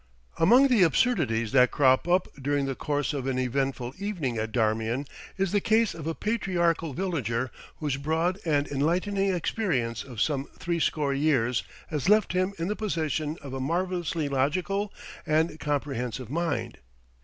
Among the absurdities that crop up during the course of an eventful evening at Darmian is the case of a patriarchal villager whose broad and enlightening experience of some threescore years has left him in the possession of a marvellously logical and comprehensive mind.